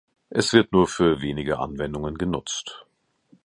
Es wird nur für wenige Anwendungen genutzt.